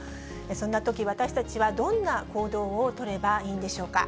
そんなとき、私たちはどんな行動を取ればいいんでしょうか。